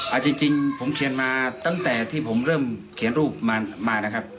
เอาจริงผมเขียนมาตั้งแต่ที่ผมเริ่มเขียนรูปมานะครับ